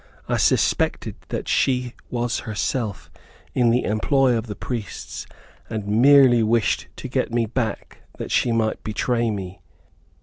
I suspected that she was herself in the employ of the priests, and merely wished to get me back that she might betray me.